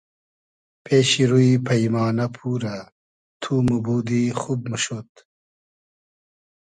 پېشی روی پݷمانۂ پورۂ تو موبودی خوب موشود